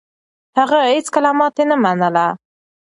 هغه هيڅکله ماتې نه منله.